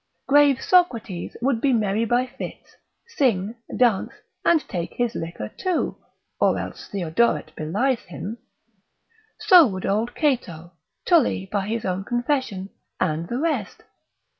Grave Socrates would be merry by fits, sing, dance, and take his liquor too, or else Theodoret belies him; so would old Cato, Tully by his own confession, and the rest.